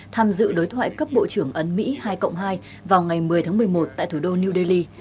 tham dự đối thoại cấp bộ trưởng ấn mỹ hai cộng hai vào ngày một mươi tháng một mươi một tại thủ đô new delhi